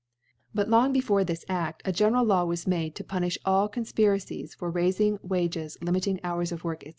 * But lor>g before this A£t, a general Lav^r was made x^ to punifH all Confpiracies for faifmg Wages, Hmiting Hours of Work, 6f^.